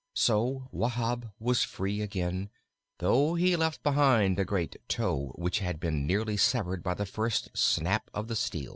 So Wahb was free again, though he left behind a great toe which had been nearly severed by the first snap of the steel.